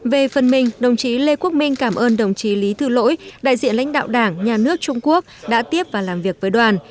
về phần mình đồng chí lê quốc minh cảm ơn đồng chí lý thư lỗi đại diện lãnh đạo đảng nhà nước trung quốc đã tiếp và làm việc với đoàn